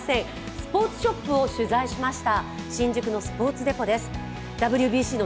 スポーツショップを取材しました。